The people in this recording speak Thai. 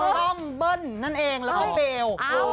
ป้อมเบิ้ลนั่นเองแล้วก็เบล